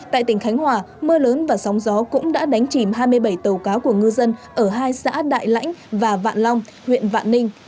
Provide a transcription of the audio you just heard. tại tỉnh khánh hòa mưa lớn và sóng gió cũng đã đánh chìm hai mươi bảy tàu cá của ngư dân ở hai xã đại lãnh và vạn long huyện vạn ninh